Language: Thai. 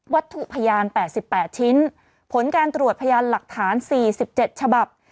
ถูกพยาน๘๘ชิ้นผลการตรวจพยานหลักฐาน๔๗ฉบับ